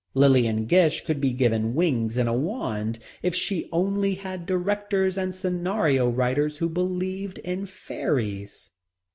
Lillian Gish could be given wings and a wand if she only had directors and scenario writers who believed in fairies.